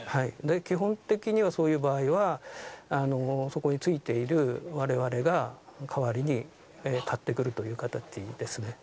基本的には、そういう場合は、そこについているわれわれが代わりに買ってくるという形ですね。